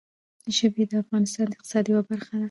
ژبې د افغانستان د اقتصاد یوه برخه ده.